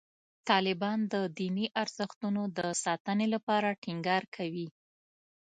طالبان د دیني ارزښتونو د ساتنې لپاره ټینګار کوي.